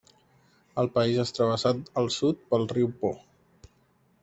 El país és travessat al sud pel riu Po.